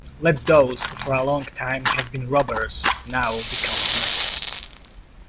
Let those who for a long time, have been robbers, now become knights.